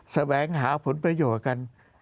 แสวงหาผลประโยชน์กัน